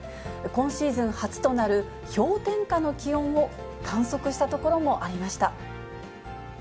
今シーズン初となる氷点下の気温を観測した所もありました。